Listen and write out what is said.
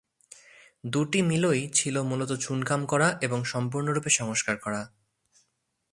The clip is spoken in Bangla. দুটি মলই ছিল মূলত চুনকাম করা এবং সম্পূর্ণরূপে সংস্কার করা।